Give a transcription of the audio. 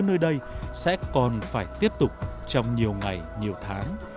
nơi đây sẽ còn phải tiếp tục trong nhiều ngày nhiều tháng